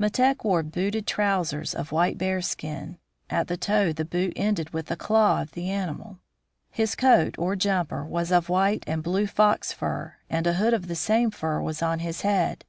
Metek wore booted trousers of white bearskin. At the toe the boot ended with the claw of the animal. His coat, or jumper, was of white and blue fox fur, and a hood of the same fur was on his head.